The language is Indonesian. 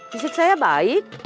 fisik saya baik